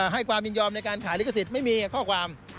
ให้ความยินยอมในการขายลิขสิทธิ์ไม่มีข้อความ